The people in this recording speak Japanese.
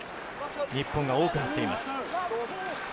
日本が多くなっています。